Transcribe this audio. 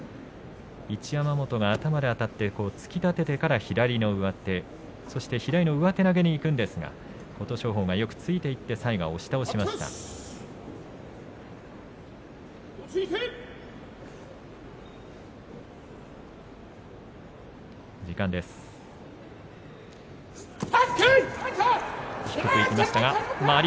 一山本が頭であたって突き立ててから左の上手そして投げにいくんですが琴勝峰がよくついていって最後、押し倒しました。